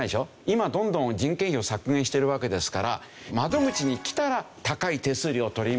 今どんどん人件費を削減してるわけですから窓口に来たら高い手数料を取りますよ